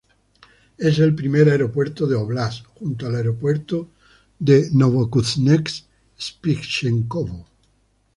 Es el primer aeropuerto del óblast, junto al Aeropuerto de Novokuznetsk-Spichenkovo.